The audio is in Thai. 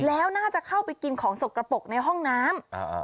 แล้วน่าจะเข้าไปกินของสกระปกในห้องน้ำ